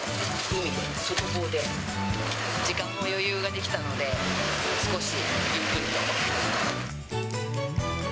海で、外房で、時間も余裕ができたので、少しゆっくりと。